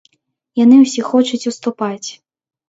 Яны ўсе хочуць уступаць.